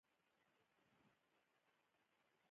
د اچین ولسوالۍ غرنۍ ده